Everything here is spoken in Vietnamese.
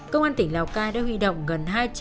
công an tỉnh lào cai đã huy động gần hai trăm linh